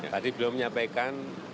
tadi belum menyampaikan